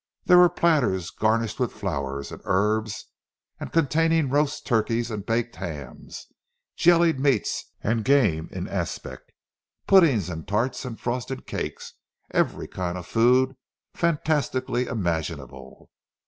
There were platters garnished with flowers and herbs, and containing roast turkeys and baked hams, jellied meats and game in aspic, puddings and tarts and frosted cakes—every kind of food fantasticality imaginable.